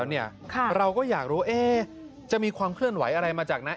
เออเดี๋ยวรอดูความเคลื่อนไหวนะคะ